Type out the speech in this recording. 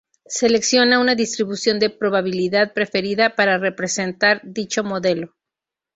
Selecciona una distribución de probabilidad preferida para representar dicho modelo.